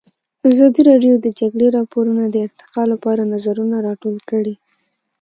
ازادي راډیو د د جګړې راپورونه د ارتقا لپاره نظرونه راټول کړي.